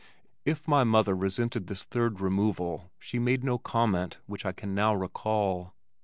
If my mother resented this third removal she made no comment which I can now recall.